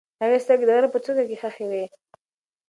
د هغې سترګې د غره په څوکه کې خښې وې.